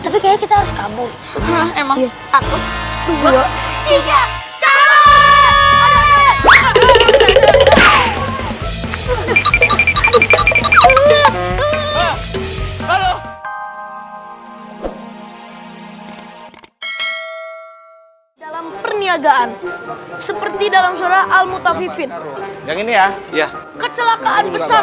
dalam perniagaan seperti dalam surah al mutafifin yang ini ya kecelakaan besar